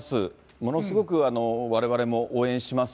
ものすごくわれわれも応援します。